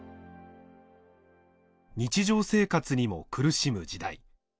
日常生活にも苦しむ時代。